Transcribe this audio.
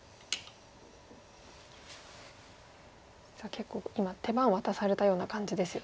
結構今手番渡されたような感じですよね。